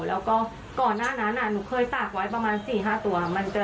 แล้วก็ก่อนหน้านั้นหนูเคยตากไว้ประมาณ๔๕ตัว